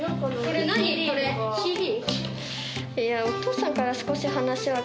ＣＤ？